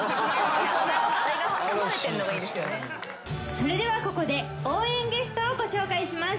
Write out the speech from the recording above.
それではここで応援ゲストをご紹介します。